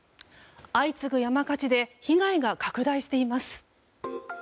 相次ぐ山火事で被害が拡大しています。